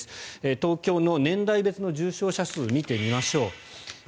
東京の年代別の重症者数を見てみましょう。